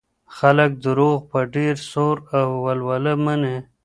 خلګ دروغ په ډیر سور او ولوله مني.